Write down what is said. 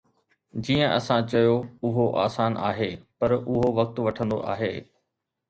جيئن اسان چيو، اهو آسان آهي، پر اهو وقت وٺندو آهي